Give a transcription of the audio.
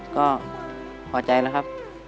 ก็พอใจแล้วครับ